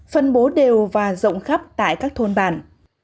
phân bố đều và rộng khắp tại các thôn bản